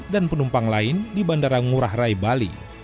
dan penumpang lain di bandara ngurah rai bali